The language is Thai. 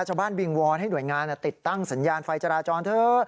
วิงวอนให้หน่วยงานติดตั้งสัญญาณไฟจราจรเถอะ